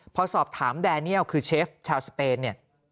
พอสอบถามแดเนียลคือเชฟชาวสเปนเนี่ย